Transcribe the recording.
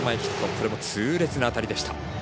これも痛烈な当たりでした。